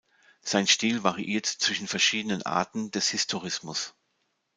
Sein Stil variiert zwischen verschiedenen Arten des Historismus.